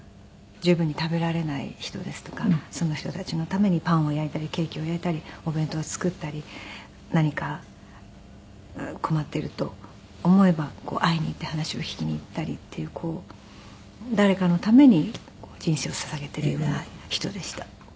十分に食べられない人ですとかその人たちのためにパンを焼いたりケーキを焼いたりお弁当を作ったり何か困っていると思えば会いに行って話を聞きに行ったりっていう誰かのために人生を捧げているような人でした。